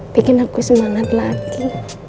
bikin aku semangat lagi